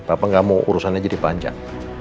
bapak gak mau urusannya jadi panjang